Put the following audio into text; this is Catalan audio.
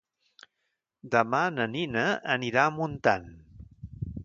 Demà na Nina anirà a Montant.